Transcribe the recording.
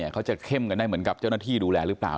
เขาจะเข้มกันได้เหมือนกับเจ้าหน้าที่ดูแลหรือเปล่า